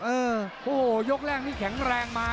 โอ้โหยกแรกที่แข็งแรงมา